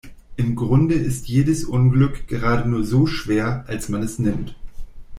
Im Grunde ist jedes Unglück gerade nur so schwer, als man es nimmt.